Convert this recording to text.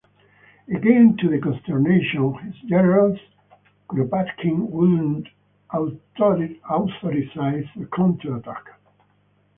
Again to the consternation of his generals, Kuropatkin would not authorize a counter-attack.